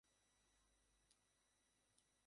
উহা পুনরায় ঐ সূক্ষ্মরূপে যাইবে, আবার ব্যক্ত হইবে।